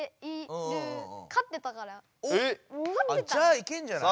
じゃあいけんじゃない？